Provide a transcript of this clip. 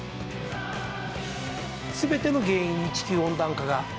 全ての原因に地球温暖化があると。